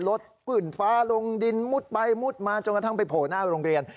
ผื่นฟ้าลงดินมุดไปมุดมาจนกระทั่งไปโผล่หน้าโรงเรียน